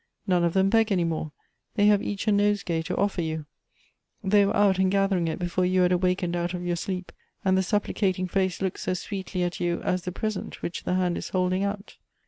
None of them beg any more ; they have each a nosegay to offer you ; they were out and gathering it before you had awakened out of your sleep, and the supplicating face looks as sweetly at you as the present which the hand is holding out.